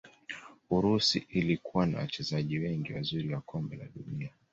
urusi ilikuwa na wachezaji wengi wazuri wa kombe la dunia